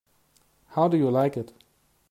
How do you like it?